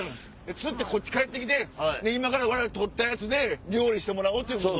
釣ってこっち帰って来て今から我々が取ったやつで料理してもらおうということで。